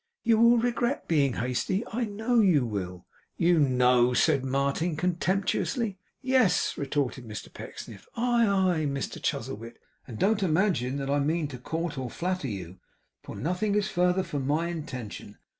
'You will regret being hasty, I know you will.' 'You know!' said Martin, contemptuously. 'Yes,' retorted Mr Pecksniff. 'Aye, aye, Mr Chuzzlewit; and don't imagine that I mean to court or flatter you; for nothing is further from my intention.